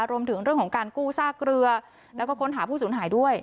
รวมถึงเรื่องของการกู้ซากเรือแล้วก็ค้นหาผู้สูญหายด้วย